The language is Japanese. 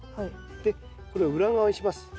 でこれを裏側にします。